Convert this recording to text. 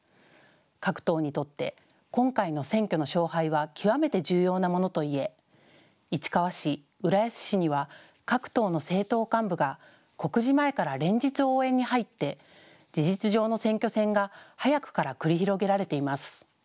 各党にとって今回の選挙の勝敗は極めて重要なものといえ市川市、浦安市には各党の政党幹部が告示前から連日応援に入って事実上の選挙戦が早くから繰り広げられています。